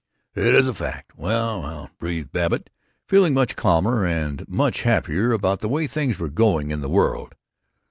"Is that a fact! Well, well!" breathed Babbitt, feeling much calmer, and much happier about the way things were going in the world.